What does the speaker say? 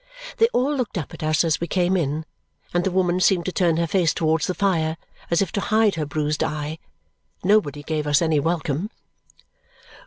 They all looked up at us as we came in, and the woman seemed to turn her face towards the fire as if to hide her bruised eye; nobody gave us any welcome.